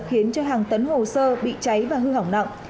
khiến cho hàng tấn hồ sơ bị cháy và hư hỏng nặng